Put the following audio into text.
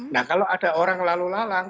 nah kalau ada orang lalu lalang